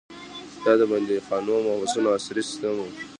دا د بندیخانو او محبسونو عصري سیستم و.